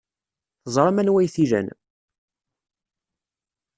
Teẓram anwa ay t-ilan.